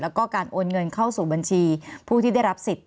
แล้วก็การโอนเงินเข้าสู่บัญชีผู้ที่ได้รับสิทธิ